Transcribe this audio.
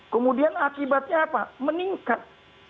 kemudian akibatnya apa meningkat